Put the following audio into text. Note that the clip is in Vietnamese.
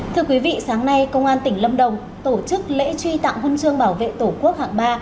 thưa quý vị sáng nay công an tỉnh lâm đồng tổ chức lễ truy tặng huân chương bảo vệ tổ quốc hạng ba